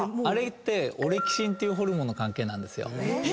あれってオレキシンっていうホルモンの関係なんですよ。